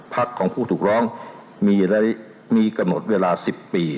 พักของผู้ถูกร้องมีกำหนดเวลา๑๐ปี